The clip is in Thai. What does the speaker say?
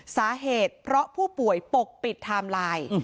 สาเหตุเพราะผู้ป่วยปกปิดไทม์ไลน์